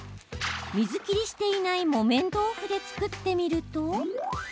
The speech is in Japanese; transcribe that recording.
水切りしていない木綿豆腐で作ってみると。